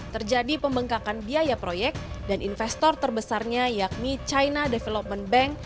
terjadi pembengkakan biaya proyek dan investor terbesarnya yakni china development bank